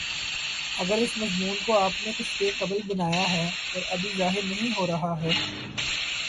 اگر اس مضمون کو آپ نے کچھ دیر قبل بنایا ہے اور ابھی ظاہر نہیں ہو رہا ہے